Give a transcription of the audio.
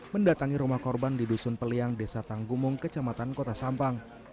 mendatangi rumah korban di dusun peliang desa tanggumung kecamatan kota sampang